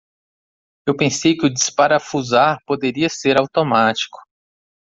Eu pensei que o desaparafusar poderia ser automático.